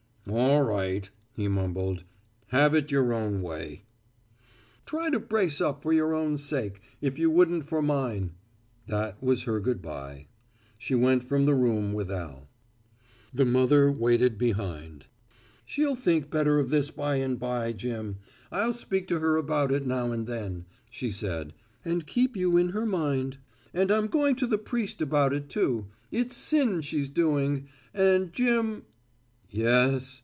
"All right," he mumbled, "have it your own way." "Try to brace up for your own sake, if you wouldn't for mine." That was her good bye. She went from the room with Al. The mother waited behind. "She'll think better of this by and by, Jim. I'll speak to her about it now and then," she said, "and keep you in her mind. And I'm going to the priest about it, too. It's sin she's doing. And Jim " "Yes?"